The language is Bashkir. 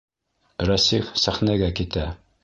Рәсих сәхнәгә китә.